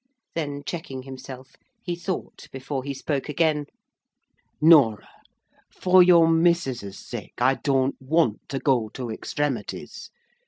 Then, checking himself, he thought before he spoke again: "Norah, for your missus's sake I don't want to go to extremities.